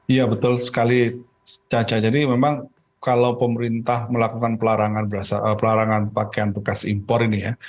iya betul sekali caca jadi memang kalau pemerintah melakukan pelarangan pakaian bekas impor ini ya